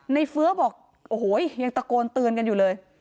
เฟื้อบอกโอ้โหยังตะโกนเตือนกันอยู่เลย